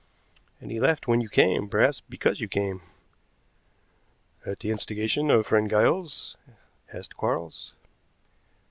"And he left when you came, perhaps because you came." "At the instigation of friend Giles?" asked Quarles.